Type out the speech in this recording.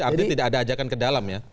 jadi artinya tidak ada ajakan ke dalam ya